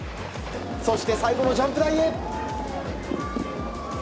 そして最後のジャンプ台へ。